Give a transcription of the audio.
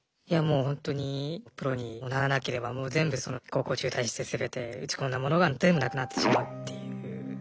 いやもうほんとにプロにならなければもう全部高校中退して全て打ち込んだものが全部なくなってしまうっていう。